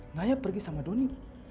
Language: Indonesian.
naya pergi sama doni